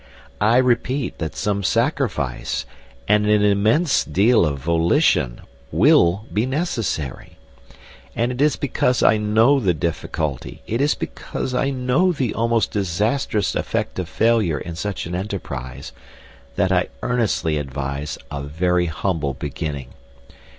I repeat that some sacrifice, and an immense deal of volition, will be necessary. And it is because I know the difficulty, it is because I know the almost disastrous effect of failure in such an enterprise, that I earnestly advise a very humble beginning.